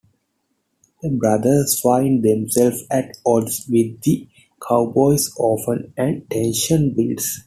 The brothers find themselves at odds with the Cowboys often, and tension builds.